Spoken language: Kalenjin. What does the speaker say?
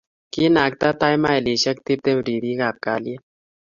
Kinakta tai mailishek tiptem ribik ab kalyet